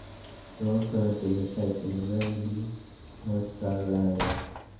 Row currently resides in Raleigh, North Carolina.